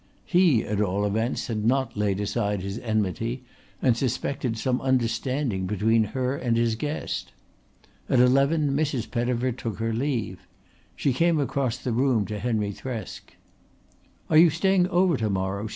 He at all events had not laid aside his enmity and suspected some understanding between her and his guest. At eleven Mrs. Pettifer took her leave. She came across the room to Henry Thresk. "Are you staying over to morrow?"